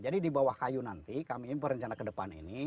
jadi di bawah kayu nanti kami perencana ke depan ini